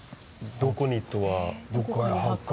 どこにとは。